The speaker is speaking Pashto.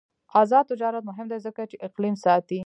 آزاد تجارت مهم دی ځکه چې اقلیم ساتي.